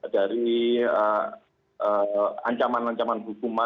dari ancaman ancaman hukum